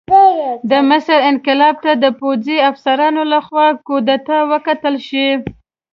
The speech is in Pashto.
د مصر انقلاب ته د پوځي افسرانو لخوا کودتا وکتل شي.